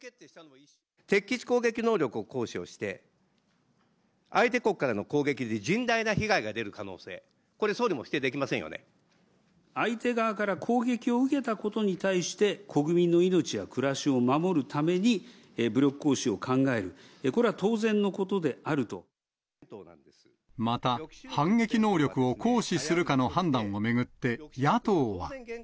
敵基地攻撃能力を行使をして、相手国からの攻撃で甚大な被害が出る可能性、これ、総理も否定で相手側から攻撃を受けたことに対して、国民の命や暮らしを守るために、武力行使を考える、また、反撃能力を行使するかの判断を巡って、野党は。